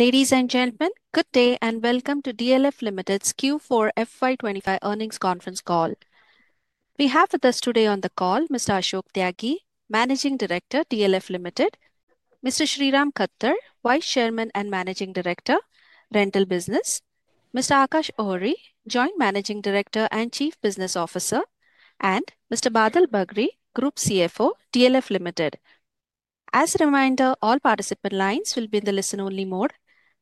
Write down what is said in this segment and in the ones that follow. Ladies and gentlemen, good day and welcome to DLF Ltd.'s Q4 FY2025 earnings conference call. We have with us today on the call Mr. Ashok Tyagi, Managing Director, DLF Ltd.; Mr. Sriram Khattar, Vice Chairman and Managing Director, Rental Business; Mr. Aakash Ohri, Joint Managing Director and Chief Business Officer; and Mr. Badal Bagri, Group CFO, DLF Ltd. As a reminder, all participant lines will be in the listen-only mode,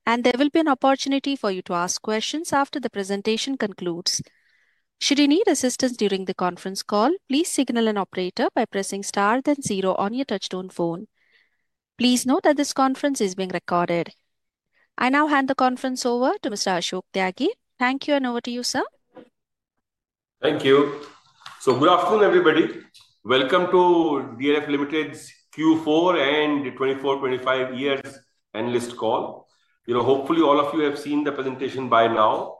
and there will be an opportunity for you to ask questions after the presentation concludes. Should you need assistance during the conference call, please signal an operator by pressing star then zero on your touchstone phone. Please note that this conference is being recorded. I now hand the conference over to Mr. Ashok Tyagi. Thank you, and over to you, sir. Thank you. Good afternoon, everybody. Welcome to DLF Ltd.'s Q4 and 2024-2025 years analyst call. Hopefully, all of you have seen the presentation by now.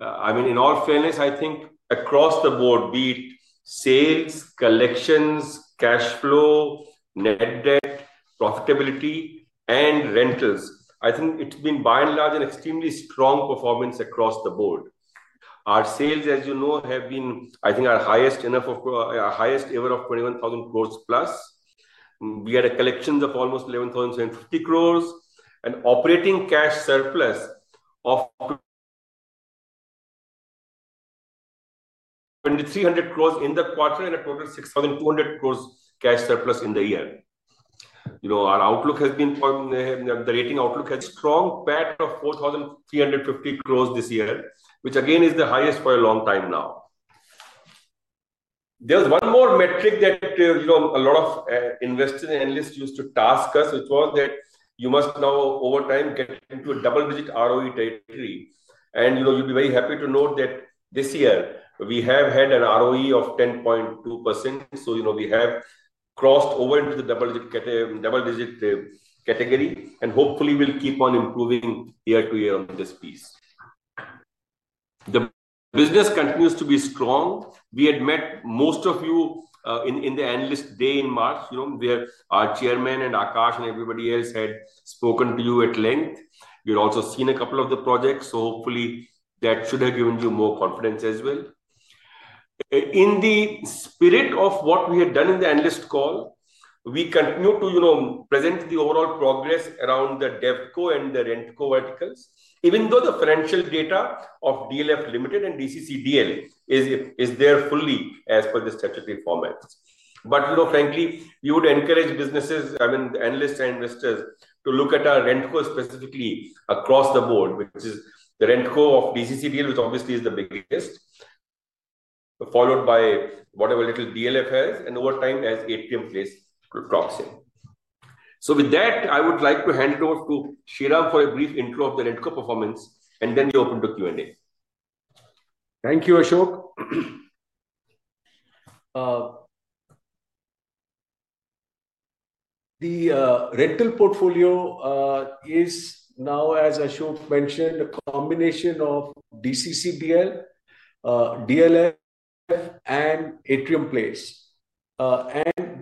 I mean, in all fairness, I think across the board, be it sales, collections, cash flow, net debt, profitability, and rentals, I think it has been by and large an extremely strong performance across the board. Our sales, as you know, have been, I think, at highest ever of 21,000 crore plus. We had collections of almost 11,750 crore and operating cash surplus of 2,300 crore in the quarter and a total of 6,200 crore cash surplus in the year. Our outlook has been the rating outlook. A strong PAT of 4,350 crore this year, which again is the highest for a long time now. There's one more metric that a lot of investors and analysts used to task us, which was that you must now, over time, get into a double-digit ROE territory. You'll be very happy to note that this year we have had an ROE of 10.2%. We have crossed over into the double-digit category, and hopefully, we'll keep on improving year to year on this piece. The business continues to be strong. We had met most of you in the analyst day in March, where our Chairman and Aakash and everybody else had spoken to you at length. You'd also seen a couple of the projects, so hopefully, that should have given you more confidence as well. In the spirit of what we had done in the analyst call, we continue to present the overall progress around the debt and the rent core articles, even though the financial data of DLF Ltd and DCCDL is there fully as per the statutory format. Frankly, we would encourage businesses, I mean, analysts and investors, to look at our RentCo specifically across the board, which is the rent core of DCCDL, which obviously is the biggest, followed by whatever little DLF has, and over time, as Atrium Place proxy. With that, I would like to hand it over to Sriram for a brief intro of the rent core performance, and then we open to Q&A. Thank you, Ashok. The rental portfolio is now, as Ashok mentioned, a combination of DCCDL, DLF, and Atrium Place.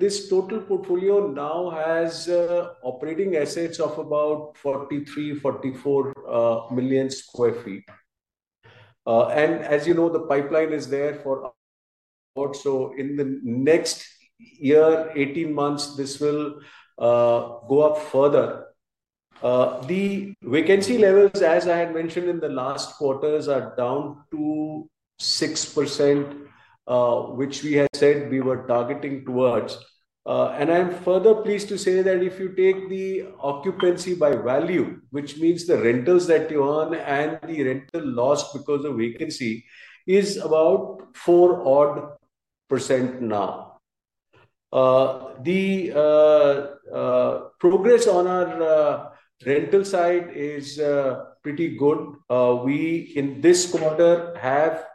This total portfolio now has operating assets of about 43 million-44 million sq ft. As you know, the pipeline is there, so in the next year, 18 months, this will go up further. The vacancy levels, as I had mentioned in the last quarters, are down to 6%, which we had said we were targeting towards. I'm further pleased to say that if you take the occupancy by value, which means the rentals that you earn and the rental loss because of vacancy, it is about 4-odd % now. The progress on our rental side is pretty good. We, in this quarter, have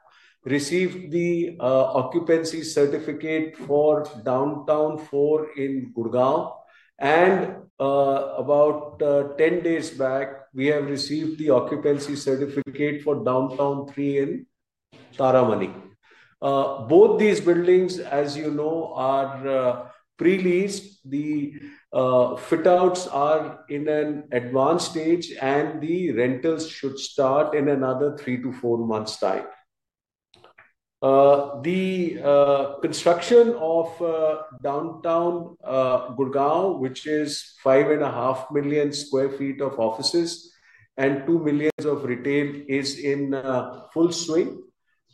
received the occupancy certificate for Downtown 4 in Gurgaon, and about 10 days back, we have received the occupancy certificate for Downtown 3 in Taramani. Both these buildings, as you know, are pre-leased. The fit-outs are in an advanced stage, and the rentals should start in another three to four months' time. The construction of Downtown Gurgaon, which is 5.5 million sq ft of offices and 2 million of retail, is in full swing.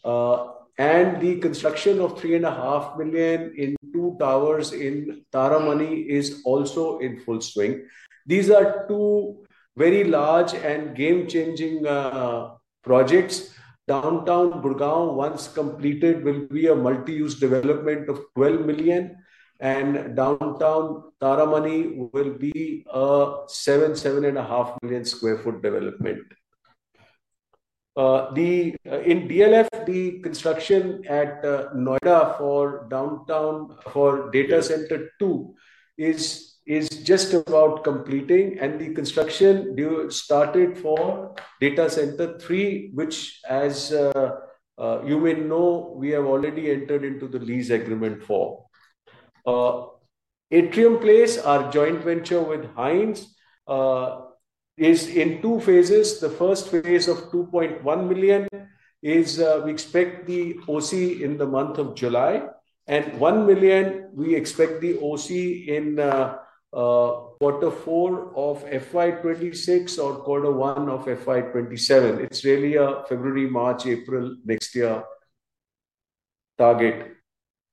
The construction of 3.5 million in two towers in Taramoni is also in full swing. These are two very large and game-changing projects. Downtown Gurgaon, once completed, will be a multi-use development of 12 million, and Downtown Taramoni will be a 7 million-7.5 million sq ft development. In DLF, the construction at Noida for Dowtown for Data Center 2 is just about completing, and the construction started for Data Center 3, which, as you may know, we have already entered into the lease agreement for. Atrium Place, our joint venture with Hines, is in two phases. The first phase of 2.1 million is we expect the OC in the month of July, and 1 million, we expect the OC in quarter four of FY 2026 or quarter one of FY 2027. It's really a February, March, April next year target.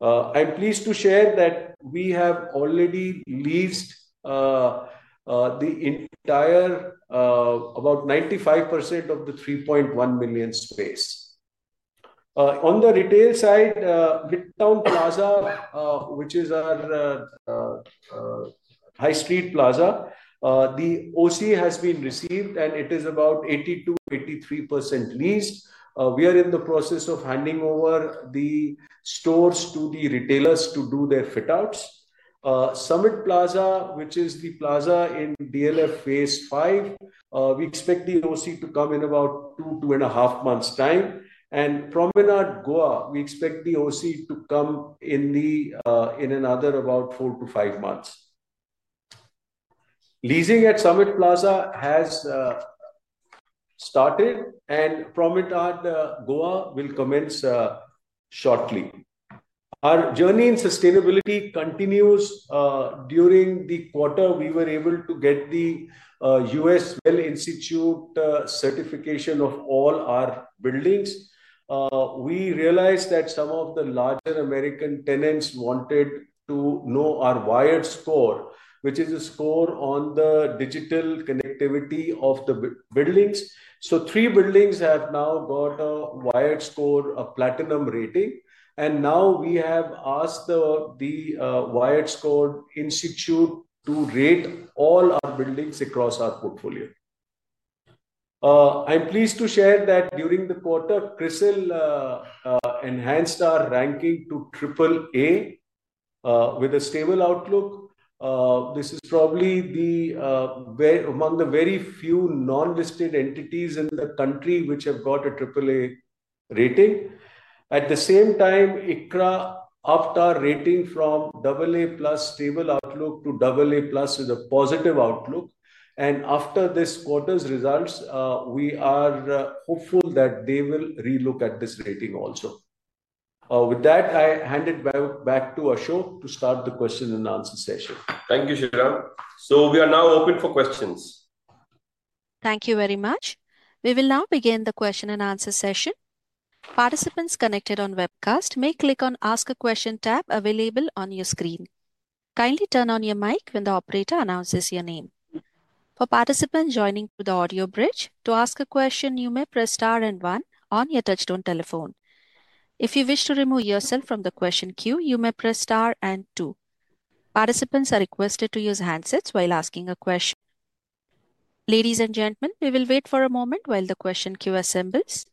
I'm pleased to share that we have already leased the entire about 95% of the 3.1 million space. On the retail side, Midtown Plaza, which is our high street plaza, the OC has been received, and it is about 80%-83% leased. We are in the process of handing over the stores to the retailers to do their fit-outs. Summit Plaza, which is the plaza in DLF Phase 5, we expect the OC to come in about two-two and a half months' time. Promenade Goa, we expect the OC to come in another about four-five months. Leasing at Summit Plaza has started, and Promenade Goa will commence shortly. Our journey in sustainability continues. During the quarter, we were able to get the U.S. WELL Institute certification of all our buildings. We realized that some of the larger American tenants wanted to know our Wired Score, which is a score on the digital connectivity of the buildings. Three buildings have now got a Wiredscore, a platinum rating. We have asked the Wiredscore Institute to rate all our buildings across our portfolio. I'm pleased to share that during the quarter, CRISIL enhanced our ranking to AAA with a Stable outlook. This is probably among the very few non-listed entities in the country which have got a AAA rating. At the same time, ICRA upped our rating from AA+ stable outlook to AA+ with a positive outlook. After this quarter's results, we are hopeful that they will relook at this rating also. With that, I hand it back to Ashok to start the question and answer session. Thank you, Sriram. We are now open for questions. Thank you very much. We will now begin the question and answer session. Participants connected on webcast may click on the ask a question tab available on your screen. Kindly turn on your mic when the operator announces your name. For participants joining through the audio bridge, to ask a question, you may press star and one on your touchstone telephone. If you wish to remove yourself from the question queue, you may press star and two. Participants are requested to use handsets while asking a question. Ladies and gentlemen, we will wait for a moment while the question queue assembles.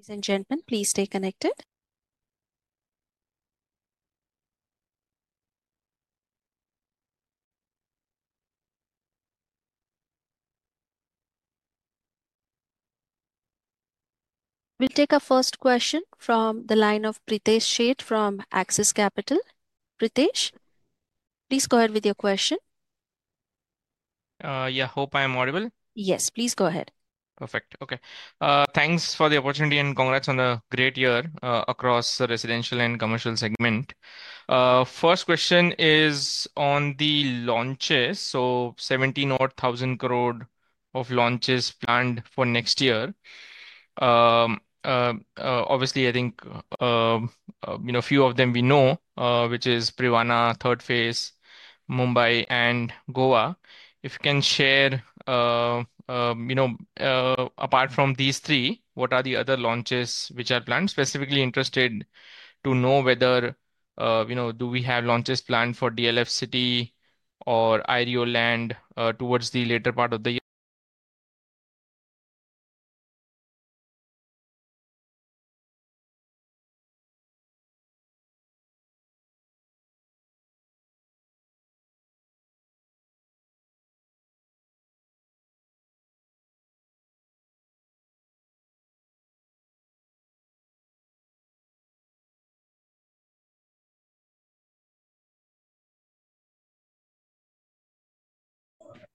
Ladies and gentlemen, please stay connected. We'll take our first question from the line of Pritesh Sheth from Axis Capital. Pritesh, please go ahead with your question. Yeah, hope I am audible. Yes, please go ahead. Perfect. Okay. Thanks for the opportunity and congrats on a great year across the residential and commercial segment. First question is on the launches. So 17,000-odd crore of launches planned for next year. Obviously, I think a few of them we know, which is Privana, third phase, Mumbai, and Goa. If you can share, apart from these three, what are the other launches which are planned? Specifically interested to know whether do we have launches planned for DLF City or IREO Land towards the later part of the year.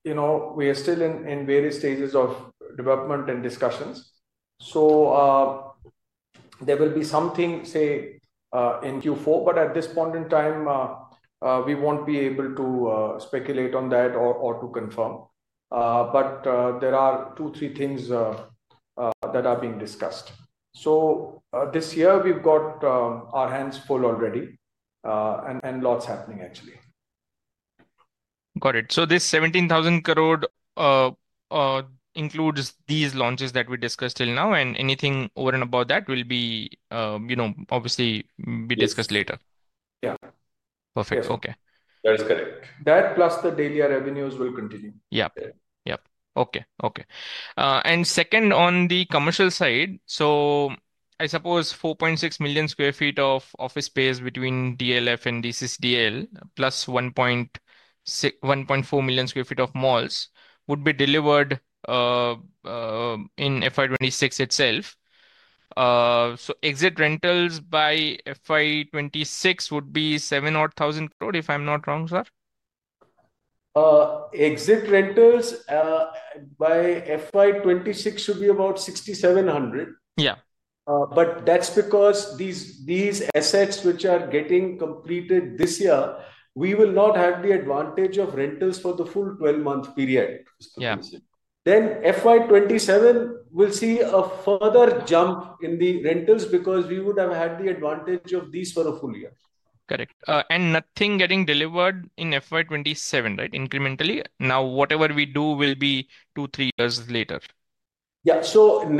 We are still in various stages of development and discussions. There will be something, say, in Q4, but at this point in time, we won't be able to speculate on that or to confirm. There are two, three things that are being discussed. This year, we've got our hands full already, and lots happening, actually. Got it. This 17,000 crore includes these launches that we discussed till now, and anything over and above that will be obviously discussed later. Yeah. Perfect. Okay. That is correct. That plus the daily revenues will continue. Yeah. Yeah. Okay. Okay. And second, on the commercial side, I suppose 4.6 million sq ft of office space between DLF and DCCDL, plus 1.4 million sq ft of malls would be delivered in FY 2026 itself. Exit rentals by FY 2026 would be 700,000 crore, if I'm not wrong, sir? Exit rentals by FY 2026 should be about 6,700 crore. Yeah. That is because these assets which are getting completed this year, we will not have the advantage of rentals for the full 12-month period. In financial year 2027, we will see a further jump in the rentals because we would have had the advantage of these for a full year. Correct. Nothing getting delivered in FY 2027, right, incrementally? Now, whatever we do will be two, three years later. Yeah.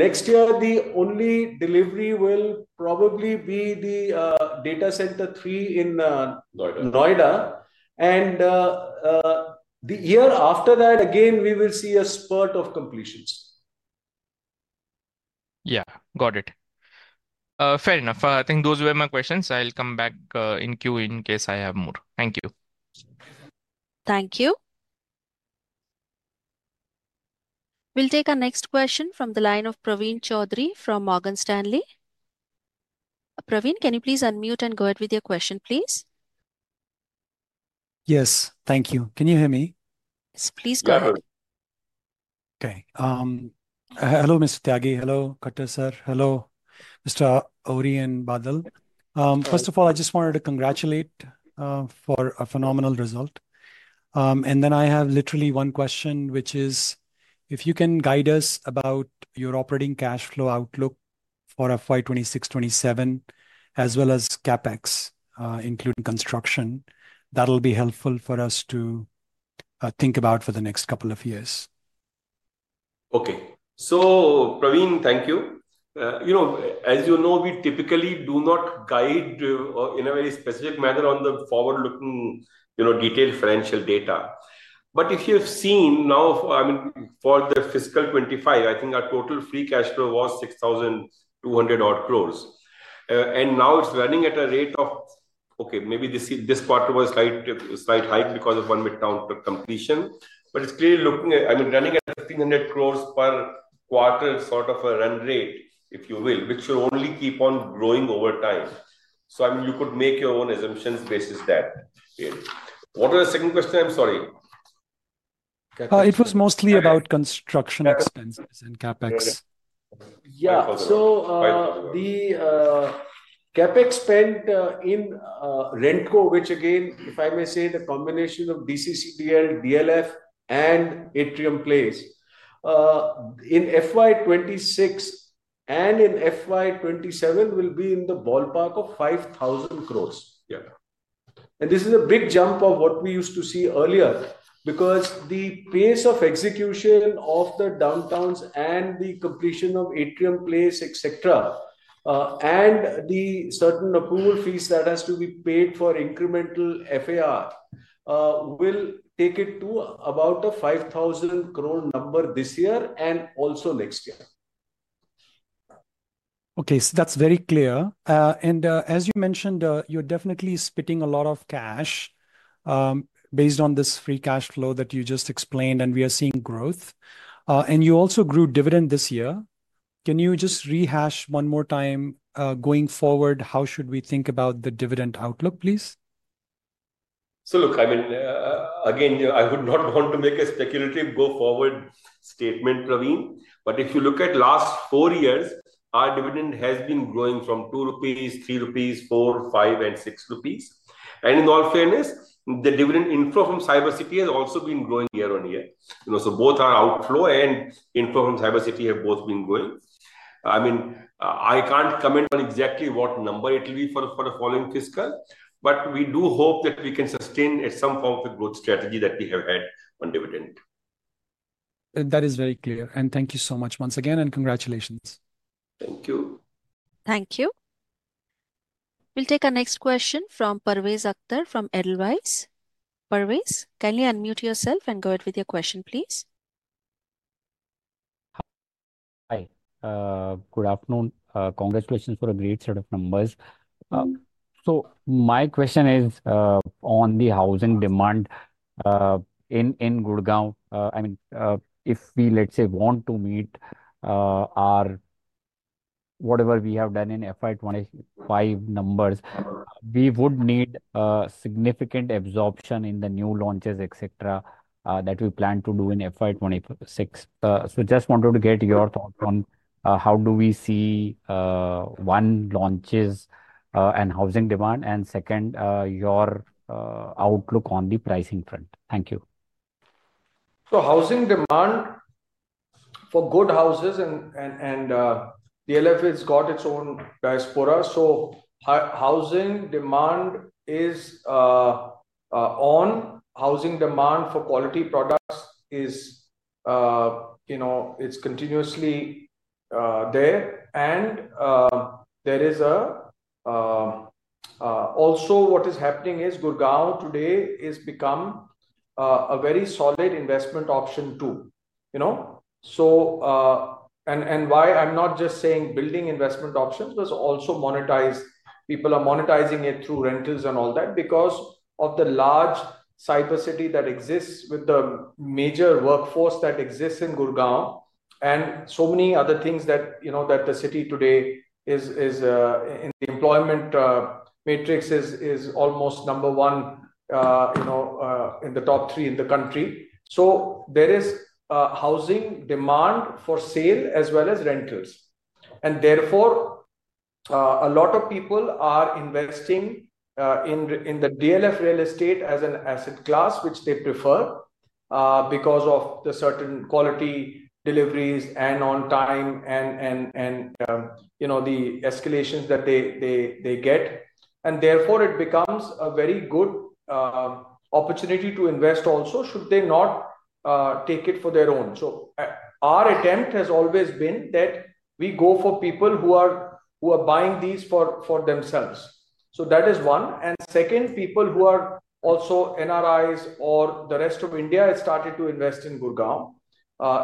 Next year, the only delivery will probably be the Data Center 3 in Noida. The year after that, again, we will see a spurt of completions. Yeah. Got it. Fair enough. I think those were my questions. I'll come back in queue in case I have more. Thank you. Thank you. We'll take our next question from the line of Praveen Choudhary from Morgan Stanley. Praveen, can you please unmute and go ahead with your question, please? Yes. Thank you. Can you hear me? Yes. Please go ahead. Okay. Hello, Mr. Tyagi. Hello, Khattar, sir. Hello, Mr. Ohri and Badal. First of all, I just wanted to congratulate for a phenomenal result. I just have literally one question, which is, if you can guide us about your operating cash flow outlook for FY 2026-2027, as well as CapEx, including construction, that'll be helpful for us to think about for the next couple of years. Okay. Praveen, thank you. As you know, we typically do not guide in a very specific manner on the forward-looking detailed financial data. If you have seen now, for fiscal 2025, I think our total free cash flow was 6,200 crore. Now it is running at a rate of, okay, maybe this quarter was a slight hike because of one Midtown completion. It is clearly looking, I mean, running at 1,500 crore per quarter sort of a run rate, if you will, which will only keep on growing over time. You could make your own assumptions based on that. What was the second question? I'm sorry. It was mostly about construction expenses and CapEx. Yeah. The CapEx spent in RentCo, which, again, if I may say, the combination of DCCDL, DLF, and Atrium Place, in FY 2026 and in FY 2027 will be in the ballpark of 5,000 crore. This is a big jump of what we used to see earlier because the pace of execution of the downtowns and the completion of Atrium Place, etc., and the certain approval fees that have to be paid for incremental FAR will take it to about an 5,000 crore number this year and also next year. Okay. That is very clear. As you mentioned, you are definitely spitting a lot of cash based on this free cash flow that you just explained, and we are seeing growth. You also grew dividend this year. Can you just rehash one more time going forward, how should we think about the dividend outlook, please? Look, I mean, again, I would not want to make a speculative go-forward statement, Praveen. If you look at the last four years, our dividend has been growing from 2 rupees, 3 rupees, 4, 5, and 6 rupees. In all fairness, the dividend inflow from Cyber City has also been growing year on year. Both our outflow and inflow from Cyber City have been growing. I mean, I can't comment on exactly what number it will be for the following fiscal, but we do hope that we can sustain some form of a growth strategy that we have had on dividend. That is very clear. Thank you so much once again, and congratulations. Thank you. Thank you. We'll take our next question from Parvez Akhtar from Edelweiss. Parvez, can you unmute yourself and go ahead with your question, please? Hi. Good afternoon. Congratulations for a great set of numbers. I mean, if we, let's say, want to meet our whatever we have done in FY 2025 numbers, we would need significant absorption in the new launches, etc., that we plan to do in FY 2026. Just wanted to get your thoughts on how do we see one, launches and housing demand, and second, your outlook on the pricing front. Thank you. Housing demand for good houses and DLF has got its own diaspora. Housing demand is on. Housing demand for quality products is continuously there. There is also what is happening is Gurgaon today has become a very solid investment option too. Why I'm not just saying building investment options was also monetized. People are monetizing it through rentals and all that because of the large Cyber City that exists with the major workforce that exists in Gurgaon and so many other things that the city today is in the employment matrix is almost number one in the top three in the country. There is housing demand for sale as well as rentals. Therefore, a lot of people are investing in the DLF real estate as an asset class, which they prefer because of the certain quality deliveries and on time and the escalations that they get. Therefore, it becomes a very good opportunity to invest also should they not take it for their own. Our attempt has always been that we go for people who are buying these for themselves. That is one. Second, people who are also NRIs or the rest of India have started to invest in Gurgaon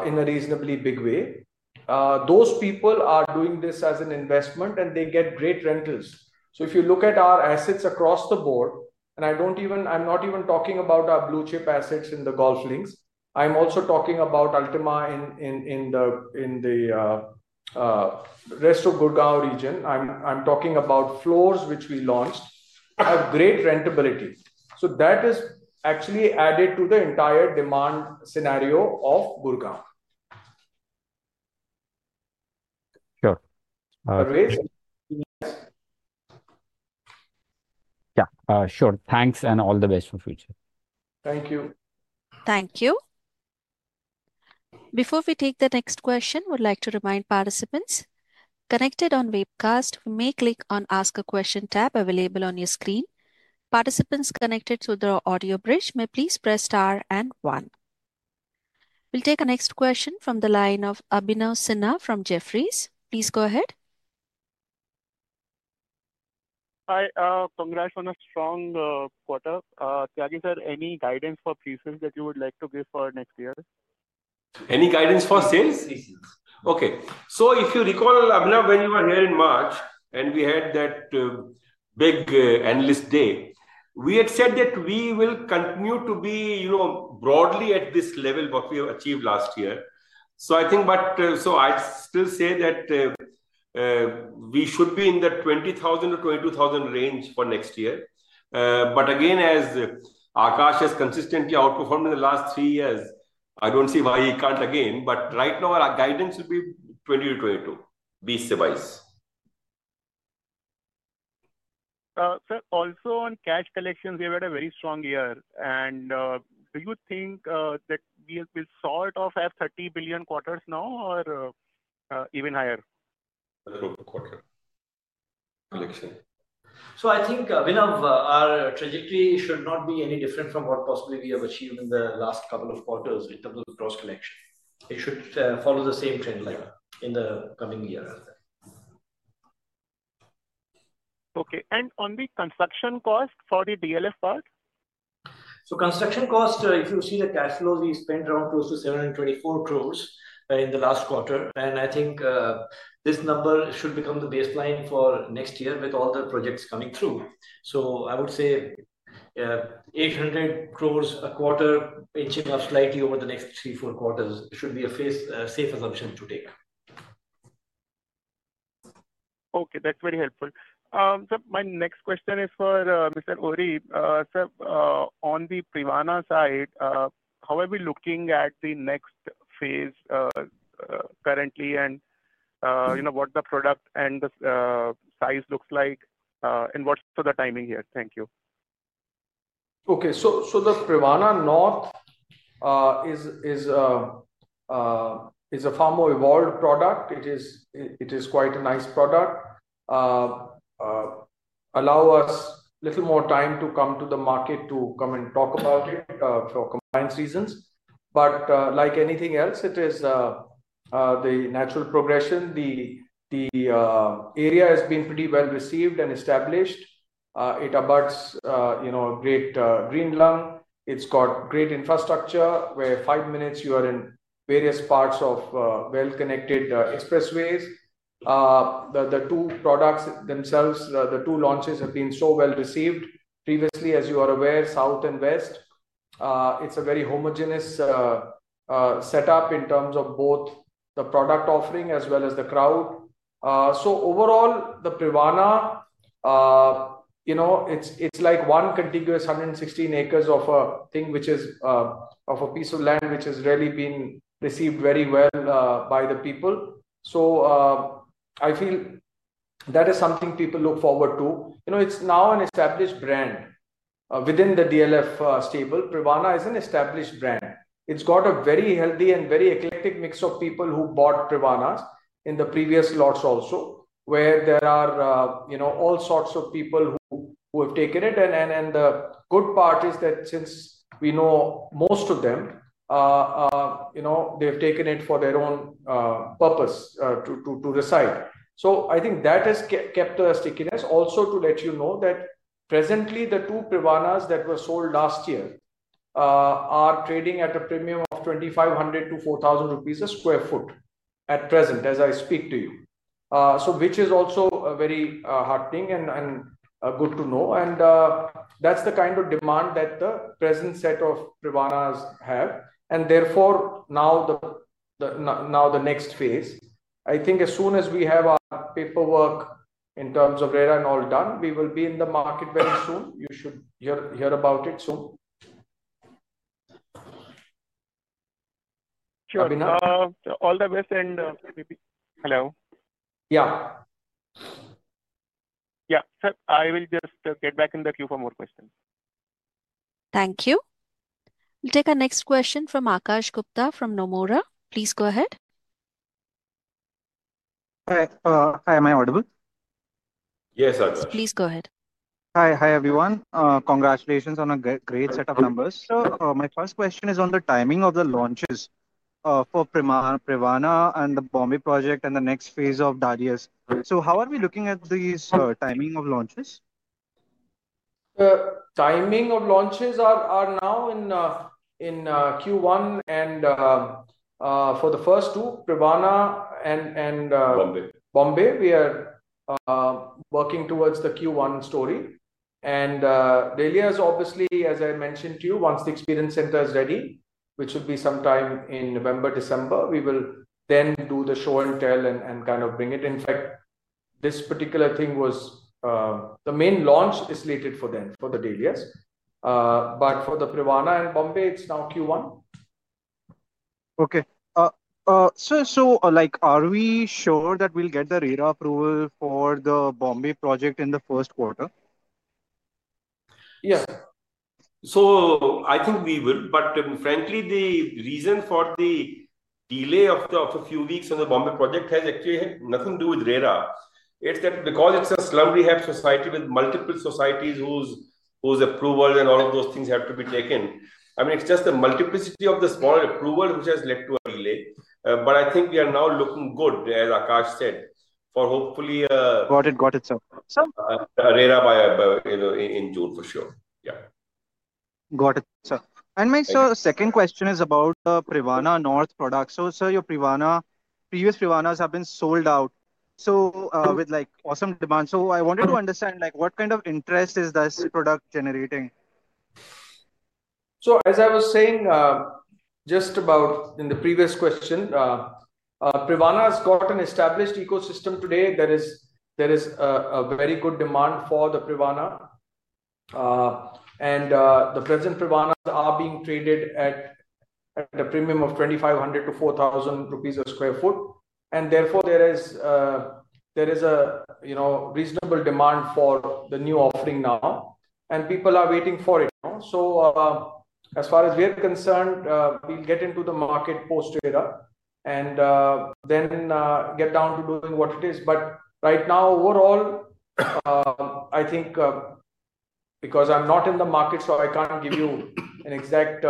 in a reasonably big way. Those people are doing this as an investment, and they get great rentals. If you look at our assets across the board, and I'm not even talking about our blue chip assets in the Golf Links. I'm also talking about Altima in the rest of Gurgaon region. I'm talking about floors which we launched have great rentability. That is actually added to the entire demand scenario of Gurgaon. Sure. Parvez? Yeah. Sure. Thanks and all the best for future. Thank you. Thank you. Before we take the next question, we'd like to remind participants connected on Vivek Cast, you may click on the Ask a Question tab available on your screen. Participants connected through the audio bridge may please press star and one. We'll take our next question from the line of Abhinav Sinha from Jefferies. Please go ahead. Hi. Congrats on a strong quarter. Tyagi sir, any guidance for pre-sales that you would like to give for next year? Any guidance for sales? Okay. If you recall, Abhinav, when you were here in March and we had that big analyst day, we had said that we will continue to be broadly at this level, what we have achieved last year. I think, but I'd still say that we should be in the 20,000-22,000 million range for next year. Again, as Akash has consistently outperformed in the last three years, I do not see why he cannot again. Right now, our guidance will be 20,000-22,000 million. Sir, also on cash collections, we've had a very strong year. Do you think that we will sort of have 30 billion quarters now or even higher? A quarter collection. I think, Abhinav, our trajectory should not be any different from what possibly we have achieved in the last couple of quarters in terms of gross collection. It should follow the same trend line in the coming year. Okay. On the construction cost for the DLF part? Construction cost, if you see the cash flows, we spent around close to 724 crore in the last quarter. I think this number should become the baseline for next year with all the projects coming through. I would say 800 crore a quarter, inching up slightly over the next three-four quarters, should be a safe assumption to take. Okay. That's very helpful. My next question is for Mr. Ohri. Sir, on the Privana side, how are we looking at the next phase currently and what the product and the size looks like and what's the timing here? Thank you. Okay. So the Privana North is a far more evolved product. It is quite a nice product. Allow us a little more time to come to the market to come and talk about it for compliance reasons. Like anything else, it is the natural progression. The area has been pretty well received and established. It abuts a great green lung. It's got great infrastructure where five minutes you are in various parts of well-connected expressways. The two products themselves, the two launches have been so well received. Previously, as you are aware, South and West. It's a very homogenous setup in terms of both the product offering as well as the crowd. Overall, the Privana, it's like one contiguous 116 acres of a thing which is of a piece of land which has really been received very well by the people. I feel that is something people look forward to. It's now an established brand within the DLF stable. Privana is an established brand. It's got a very healthy and very eclectic mix of people who bought Privanas in the previous lots also where there are all sorts of people who have taken it. The good part is that since we know most of them, they've taken it for their own purpose to reside. I think that has kept us sticking as also to let you know that presently, the two Privanas that were sold last year are trading at a premium of 2,500-4,000 rupees a sq ft at present as I speak to you, which is also very heartening and good to know. That's the kind of demand that the present set of Privanas have. Therefore, now the next phase, I think as soon as we have our paperwork in terms of RERA and all done, we will be in the market very soon. You should hear about it soon. Sure. All the best and hello. Yeah. Yeah. Sir, I will just get back in the queue for more questions. Thank you. We'll take our next question from Akash Gupta from Nomura. Please go ahead. Hi. Am I audible? Yes, Akash. Please go ahead. Hi. Hi, everyone. Congratulations on a great set of numbers. My first question is on the timing of the launches for Privana and the Bombay project and the next phase of Dahlias. How are we looking at the timing of launches? Timing of launches are now in Q1. For the first two, Privana and Bombay, we are working towards the Q1 story. Dahlia is obviously, as I mentioned to you, once the experience center is ready, which would be sometime in November, December, we will then do the show and tell and kind of bring it. In fact, this particular thing was the main launch is slated for then for the Dahlias. For the Privana and Bombay, it's now Q1. Okay. So are we sure that we'll get the RERA approval for the Bombay project in the first quarter? Yes. I think we will. Frankly, the reason for the delay of a few weeks on the Bombay project has actually nothing to do with RERA. It is that because it is a slum rehab society with multiple societies whose approval and all of those things have to be taken. I mean, it is just the multiplicity of the smaller approval which has led to a delay. I think we are now looking good, as Akash said, for hopefully. Got it. Got it, sir. RERA in June for sure. Yeah. Got it, sir. My second question is about the Privana North product. Sir, your previous Privanas have been sold out with awesome demand. I wanted to understand what kind of interest is this product generating? As I was saying just about in the previous question, Privana has got an established ecosystem today. There is a very good demand for the Privana. The present Privanas are being traded at a premium of 2,500-4,000 rupees a sq ft. Therefore, there is a reasonable demand for the new offering now, and people are waiting for it. As far as we are concerned, we'll get into the market post-RERA and then get down to doing what it is. Right now, overall, I think because I'm not in the market, I can't give you an exact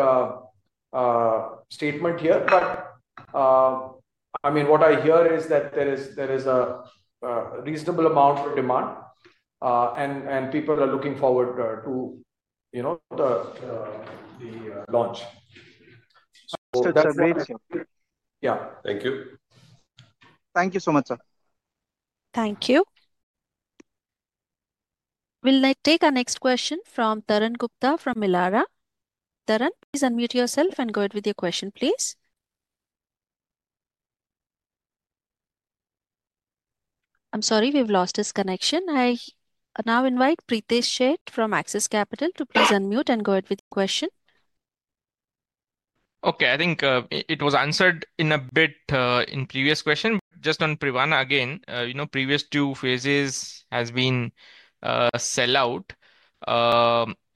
statement here. I mean, what I hear is that there is a reasonable amount of demand, and people are looking forward to the launch. So. That's great. Yeah. Thank you. Thank you so much, sir. Thank you. We'll take our next question from Tarun Gupta from Millara. Tarun, please unmute yourself and go ahead with your question, please. I'm sorry, we've lost his connection. I now invite Pritesh Sheth from Axis Capital to please unmute and go ahead with your question. Okay. I think it was answered a bit in the previous question. Just on Privana again, previous two phases have been sell-out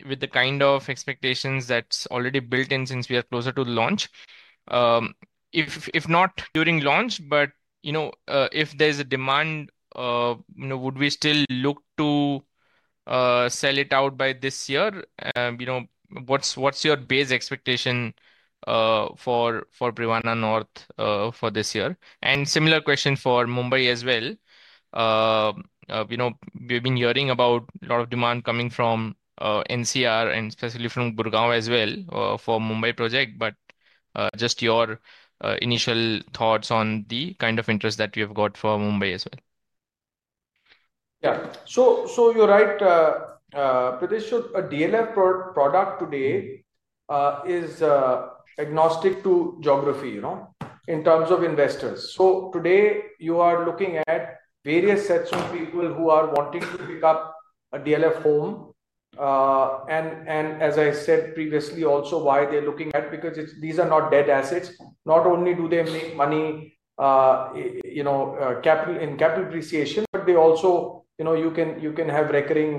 with the kind of expectations that's already built in since we are closer to the launch. If not during launch, but if there's a demand, would we still look to sell it out by this year? What's your base expectation for Privana North for this year? A similar question for Mumbai as well. We've been hearing about a lot of demand coming from NCR and especially from Gurgaon as well for the Mumbai project. Just your initial thoughts on the kind of interest that we have got for Mumbai as well. Yeah. You're right. DLF product today is agnostic to geography in terms of investors. Today, you are looking at various sets of people who are wanting to pick up a DLF home. As I said previously also, why they're looking at it is because these are not dead assets. Not only do they make money in capital appreciation, but also you can have recurring,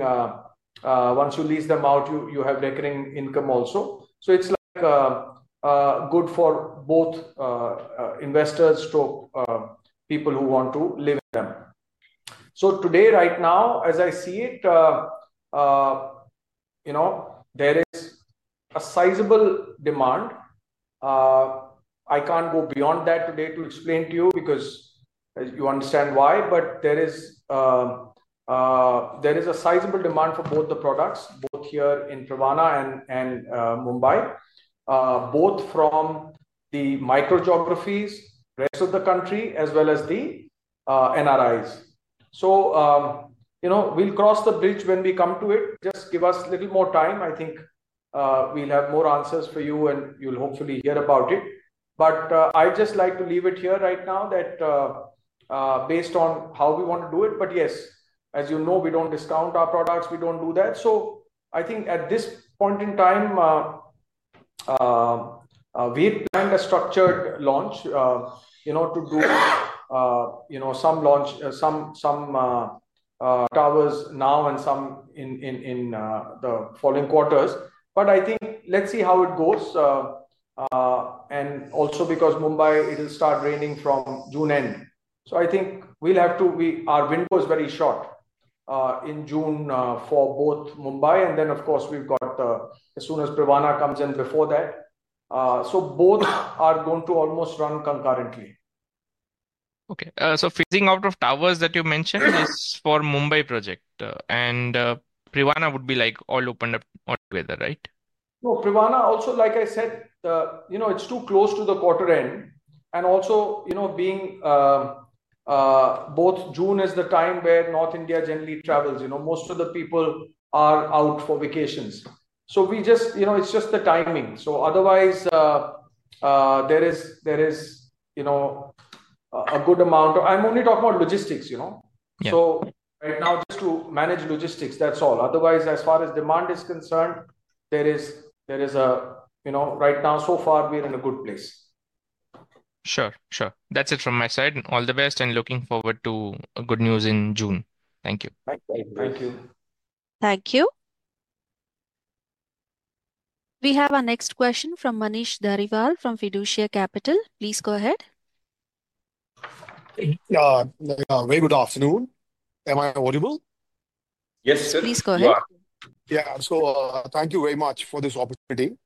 once you lease them out, you have recurring income also. It's good for both investors and people who want to live in them. Right now, as I see it, there is a sizable demand. I can't go beyond that today to explain to you because you understand why. There is a sizable demand for both the products, both here in Privana and Mumbai, both from the micro geographies, rest of the country, as well as the NRIs. We will cross the bridge when we come to it. Just give us a little more time. I think we will have more answers for you, and you will hopefully hear about it. I would just like to leave it here right now based on how we want to do it. Yes, as you know, we do not discount our products. We do not do that. I think at this point in time, we planned a structured launch to do some launch, some towers now and some in the following quarters. I think let us see how it goes. Also, because Mumbai, it will start raining from June end. I think our window is very short in June for both Mumbai. Of course, we have got as soon as Privana comes in before that. Both are going to almost run concurrently. Okay. So phasing out of towers that you mentioned is for Mumbai project. And Privana would be all opened up altogether, right? Prevana also, like I said, it's too close to the quarter end. Also, June is the time where North India generally travels. Most of the people are out for vacations. It's just the timing. Otherwise, there is a good amount of, I'm only talking about logistics. Right now, just to manage logistics, that's all. Otherwise, as far as demand is concerned, right now, so far, we're in a good place. Sure. Sure. That's it from my side. All the best and looking forward to good news in June. Thank you. Thank you. Thank you. We have our next question from Manish Dhariwal from Fiducia Capital. Please go ahead. Yeah. Very good afternoon. Am I audible? Yes, sir. Please go ahead. Yeah. Thank you very much for this opportunity.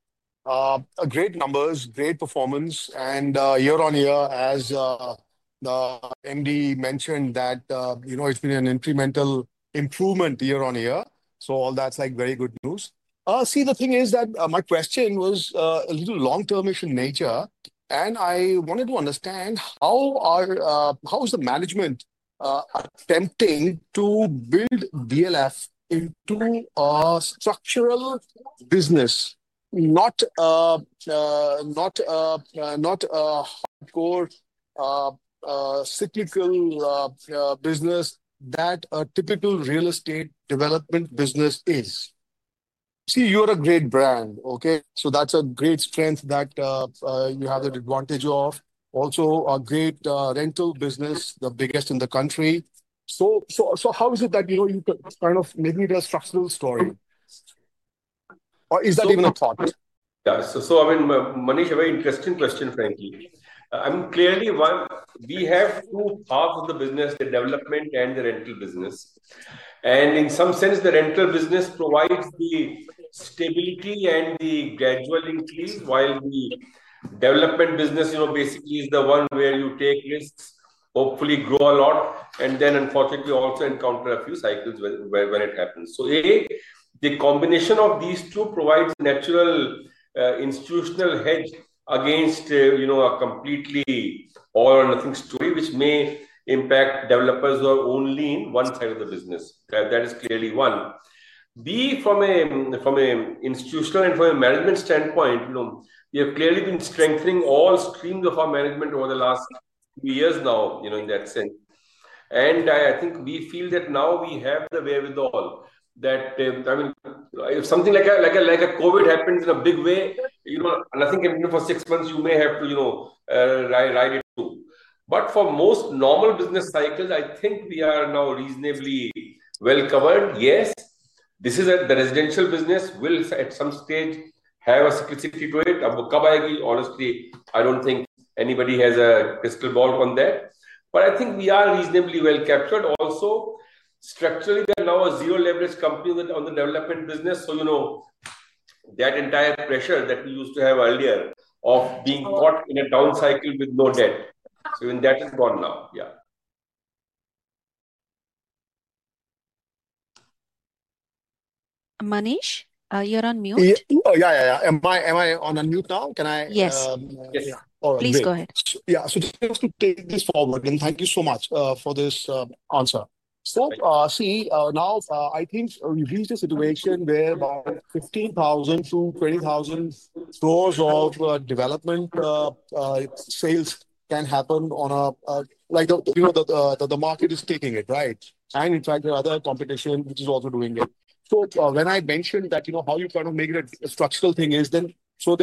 Great numbers, great performance. Year on year, as the MD mentioned, it's been an incremental improvement year on year. All that's very good news. See, the thing is that my question was a little long-term-ish in nature. I wanted to understand how is the management attempting to build DLF into a structural business, not a hardcore cyclical business that a typical real estate development business is? You're a great brand, okay? That's a great strength that you have an advantage of. Also, a great rental business, the biggest in the country. How is it that you kind of maybe the structural story? Or is that even a thought? Yeah. I mean, Manish, a very interesting question, frankly. I mean, clearly, we have two halves of the business, the development and the rental business. In some sense, the rental business provides the stability and the gradual increase while the development business basically is the one where you take risks, hopefully grow a lot, and then unfortunately also encounter a few cycles when it happens. The combination of these two provides natural institutional hedge against a completely all-or-nothing story, which may impact developers who are only in one side of the business. That is clearly one. From an institutional and from a management standpoint, we have clearly been strengthening all streams of our management over the last few years now in that sense. I think we feel that now we have the wherewithal. I mean, something like COVID happens in a big way. Nothing can be for six months. You may have to ride it too. For most normal business cycles, I think we are now reasonably well covered. Yes, this is the residential business will at some stage have a security to it. When it comes, I do not think anybody has a crystal ball on that. I think we are reasonably well captured. Also, structurally, there are now zero leverage companies on the development business. That entire pressure that we used to have earlier of being caught in a down cycle with no debt, I mean, that is gone now. Yeah. Manish, you're on mute. Yeah. Yeah. Am I on mute now? Can I? Yes. Please go ahead. Yeah. Just to take this forward, and thank you so much for this answer. See, now I think we've reached a situation where about 15,000-20,000 floors of development sales can happen on a, like the market is taking it, right? In fact, there are other competition which is also doing it. When I mentioned that how you kind of make it a structural thing is then, so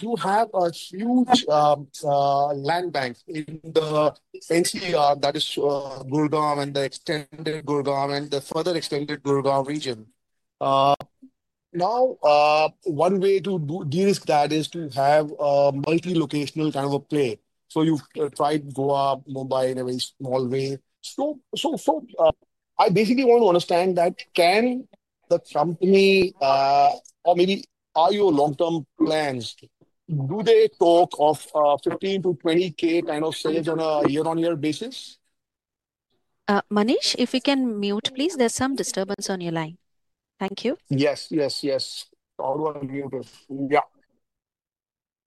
you have a huge land bank in the NCR, that is Gurgaon and the extended Gurgaon and the further extended Gurgaon region. Now, one way to de-risk that is to have a multi-locational kind of a play. You've tried Goa, Mumbai in a very small way. I basically want to understand that can the company or maybe are your long-term plans, do they talk of 15,000-20,000 kind of sales on a year-on-year basis? Manish, if you can mute, please. There's some disturbance on your line. Thank you. Yes. I'll mute it. Yeah.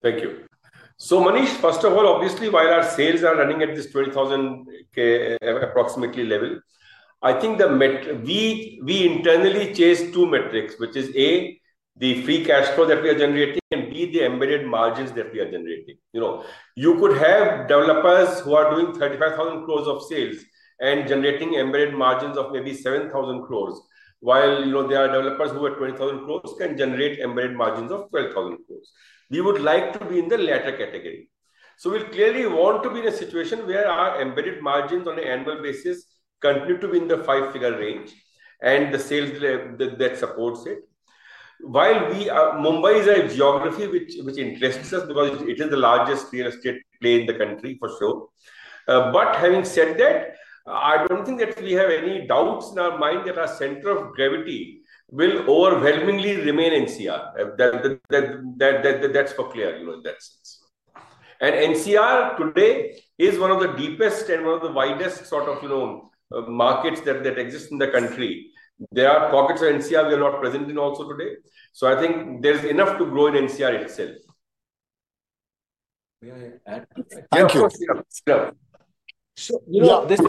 Thank you. So Manish, first of all, obviously, while our sales are running at this 20,000 crore approximately level, I think we internally chase two metrics, which is A, the free cash flow that we are generating, and B, the embedded margins that we are generating. You could have developers who are doing 35,000 crore of sales and generating embedded margins of maybe 7,000 crore, while there are developers who are 20,000 crore can generate embedded margins of 12,000 crore. We would like to be in the latter category. So we clearly want to be in a situation where our embedded margins on an annual basis continue to be in the five-figure range and the sales that supports it. While Mumbai is a geography which interests us because it is the largest real estate play in the country for sure. Having said that, I do not think that we have any doubts in our mind that our center of gravity will overwhelmingly remain NCR. That is for clear in that sense. NCR today is one of the deepest and one of the widest sort of markets that exist in the country. There are pockets of NCR we are not present in also today. I think there is enough to grow in NCR itself. Thank you. This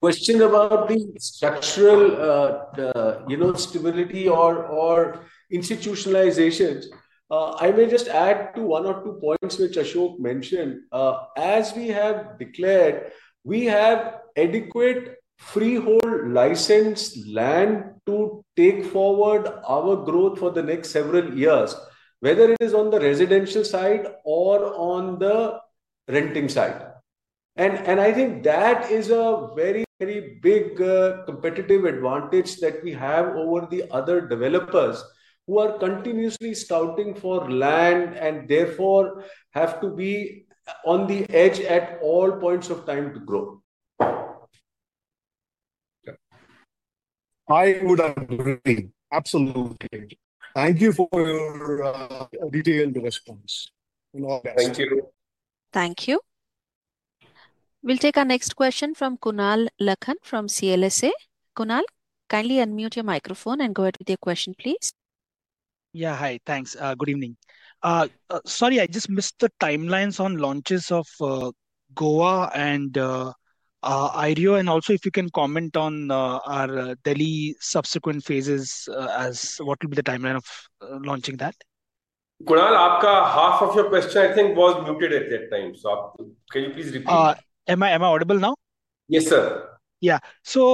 question about the structural stability or institutionalization, I may just add to one or two points which Ashok mentioned. As we have declared, we have adequate freehold licensed land to take forward our growth for the next several years, whether it is on the residential side or on the renting side. I think that is a very big competitive advantage that we have over the other developers who are continuously scouting for land and therefore have to be on the edge at all points of time to grow. I would agree. Absolutely. Thank you for your detailed response. Thank you. Thank you. We'll take our next question from Kunal Lakhan from CLSA. Kunal, kindly unmute your microphone and go ahead with your question, please. Yeah. Hi. Thanks. Good evening. Sorry, I just missed the timelines on launches of Goa and IREO. Also, if you can comment on our Delhi subsequent phases, what will be the timeline of launching that? Kunal, half of your question, I think, was muted at that time. Can you please repeat? Am I audible now? Yes, sir. Yeah. Sir,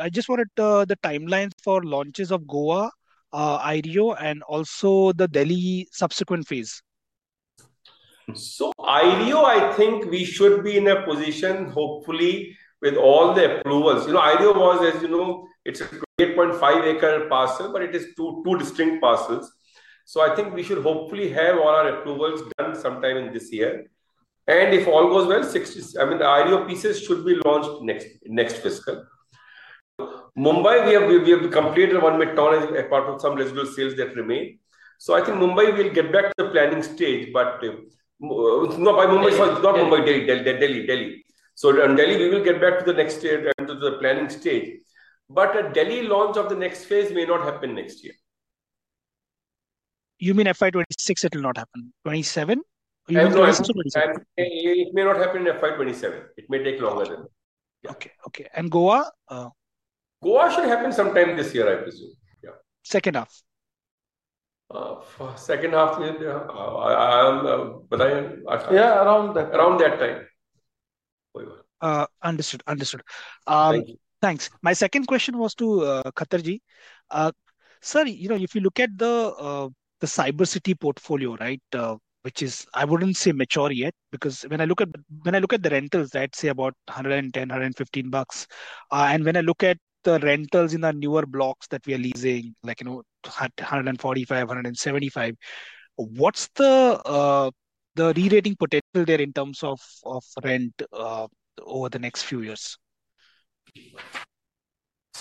I just wanted the timelines for launches of Goa, IREO, and also the Delhi subsequent phase. IREO, I think we should be in a position, hopefully, with all the approvals. IREO was, as you know, it's an 8.5-acre parcel, but it is two distinct parcels. I think we should hopefully have all our approvals done sometime in this year. If all goes well, I mean, the IREO pieces should be launched next fiscal. Mumbai, we have completed one mid-term as part of some residual sales that remain. I think Mumbai will get back to the planning stage. Not Mumbai, Delhi. Delhi. In Delhi, we will get back to the next stage and to the planning stage. A Delhi launch of the next phase may not happen next year. You mean FY 2026, it will not happen? 2027? It may not happen in FY 2027. It may take longer than that. Okay. Okay. And Goa? Goa should happen sometime this year, I presume. Yeah. Second half? Second half, I'm— Yeah. Around that time. Around that time. Understood. Understood. Thanks. My second question was to Khattar Ji. Sir, if you look at the Cyber City portfolio, right, which is, I would not say mature yet because when I look at the rentals, I would say about INR 110-INR 115. And when I look at the rentals in the newer blocks that we are leasing, like 145-175, what is the re-rating potential there in terms of rent over the next few years?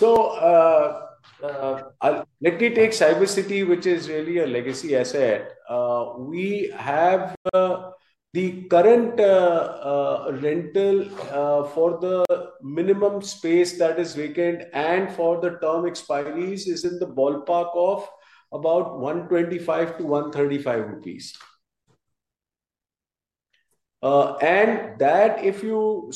Let me take Cyber City, which is really a legacy asset. We have the current rental for the minimum space that is vacant and for the term expiry is in the ballpark of about 125-135 rupees. If you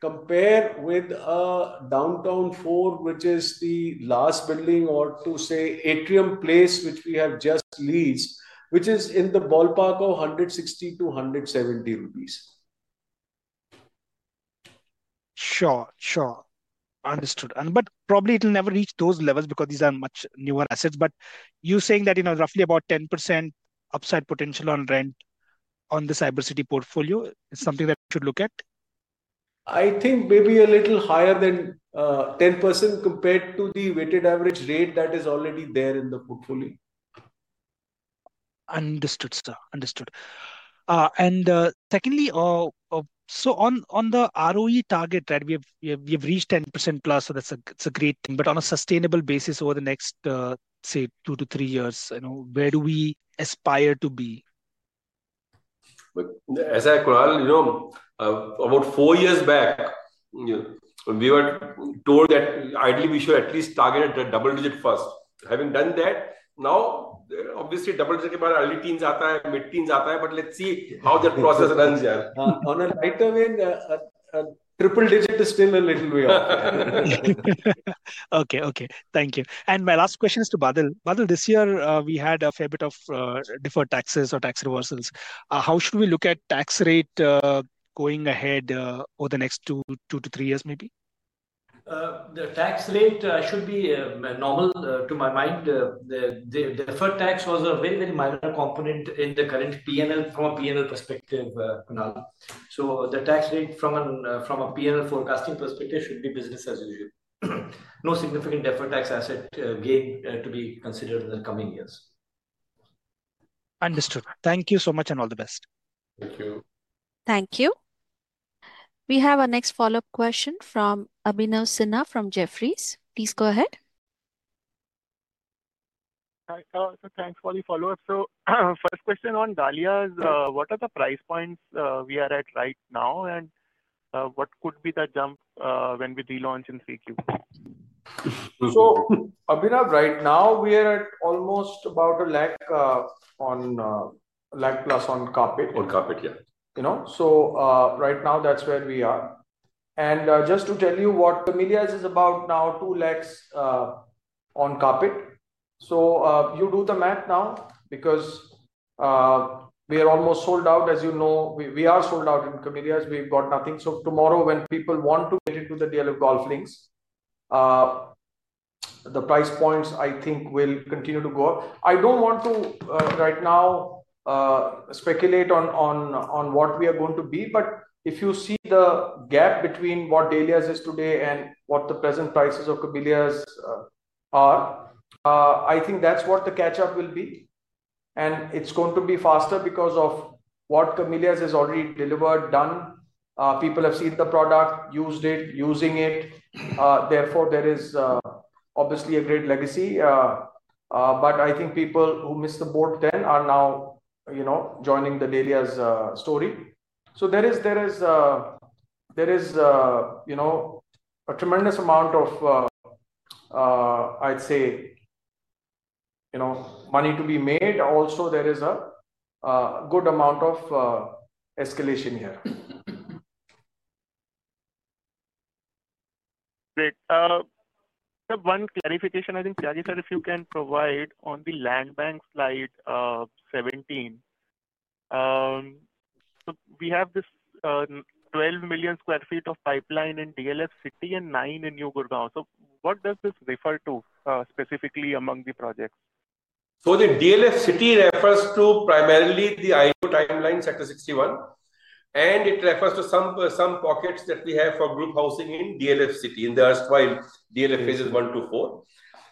compare that with Downtown Four, which is the last building, or Atrium Place, which we have just leased, that is in the ballpark of 160-170 rupees. Sure. Sure. Understood. Probably it'll never reach those levels because these are much newer assets. You're saying that roughly about 10% upside potential on rent on the Cyber City portfolio is something that we should look at? I think maybe a little higher than 10% compared to the weighted average rate that is already there in the portfolio. Understood, sir. Understood. Secondly, on the ROE target, we have reached 10%+, so that's a great thing. On a sustainable basis over the next, say, two to three years, where do we aspire to be? As I call, about four years back, we were told that ideally we should at least target at the double-digit first. Having done that, now, obviously, double digit teens atta, mid teens atta. Let's see how that process runs, yeah. On a lighter way, triple digit is still a little way off. Okay. Okay. Thank you. My last question is to Badal. Badal, this year, we had a fair bit of deferred taxes or tax reversals. How should we look at tax rate going ahead over the next two to three years, maybe? The tax rate should be normal to my mind. The deferred tax was a very, very minor component in the current P&L from a P&L perspective, Kunal. The tax rate from a P&L forecasting perspective should be business as usual. No significant deferred tax asset gain to be considered in the coming years. Understood. Thank you so much and all the best. Thank you. Thank you. We have our next follow-up question from Abhinav Sinha from Jefferies. Please go ahead. Hi. Thanks for the follow-up. First question on Dahlia is what are the price points we are at right now, and what could be the jump when we relaunch in 3Q? Abhinav, right now, we are at almost about a lakh plus on carpet. On carpet, yeah. Right now, that's where we are. Just to tell you what Camellia is about now, two lakhs on carpet. You do the math now because we are almost sold out. As you know, we are sold out in Camellia. We've got nothing. Tomorrow, when people want to get into the DLF Golf Links, the price points, I think, will continue to go up. I do not want to right now speculate on what we are going to be. If you see the gap between what Dahlia is today and what the present prices of Camellia are, I think that's what the catch-up will be. It's going to be faster because of what Camellia has already delivered, done. People have seen the product, used it, using it. Therefore, there is obviously a great legacy. I think people who missed the boat then are now joining the Dahlia story. There is a tremendous amount of, I'd say, money to be made. Also, there is a good amount of escalation here. Great. One clarification, I think, Tyagi sir, if you can provide on the land bank slide 17. So we have this 12 million sq ft of pipeline in DLF City and 9 million in New Gurgaon. So what does this refer to specifically among the projects? The DLF City refers to primarily the IREO timeline, Sector 61. It refers to some pockets that we have for group housing in DLF City in the earthwide DLF phases one to four.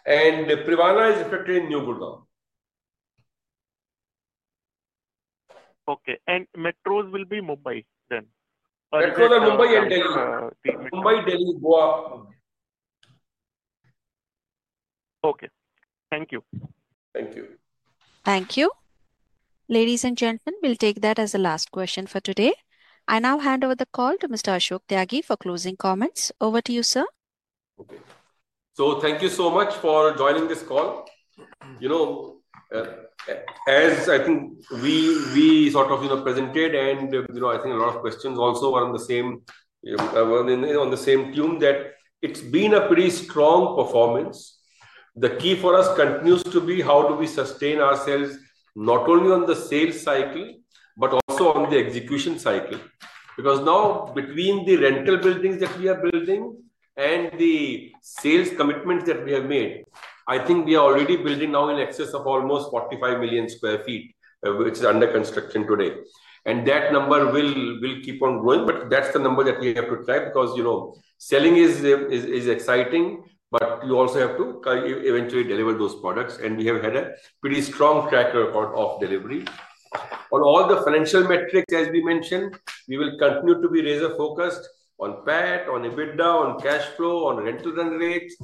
Privana is reflected in New Gurgaon. Okay. Metros will be Mumbai then? Metros are Mumbai and Delhi. Mumbai, Delhi, Goa. Okay. Thank you. Thank you. Thank you. Ladies and gentlemen, we'll take that as the last question for today. I now hand over the call to Mr. Ashok Tyagi for closing comments. Over to you, sir. Okay. Thank you so much for joining this call. As I think we sort of presented, and I think a lot of questions also were on the same tune that it's been a pretty strong performance. The key for us continues to be how do we sustain ourselves not only on the sales cycle, but also on the execution cycle. Because now, between the rental buildings that we are building and the sales commitments that we have made, I think we are already building now in excess of almost 45 million sq ft, which is under construction today. That number will keep on growing. That's the number that we have to track because selling is exciting, but you also have to eventually deliver those products. We have had a pretty strong tracker of delivery. On all the financial metrics, as we mentioned, we will continue to be razor-focused on PAT, on EBITDA, on cash flow, on rental rates.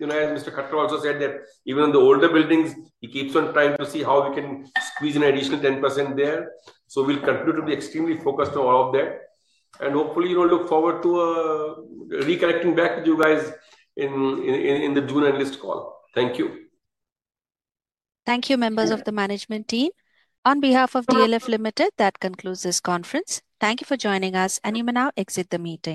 As Mr. Khattar also said, that even on the older buildings, he keeps on trying to see how we can squeeze in an additional 10% there. We will continue to be extremely focused on all of that. Hopefully, look forward to reconnecting back with you guys in the June analyst call. Thank you. Thank you, members of the management team. On behalf of DLF Limited, that concludes this conference. Thank you for joining us, and you may now exit the meeting.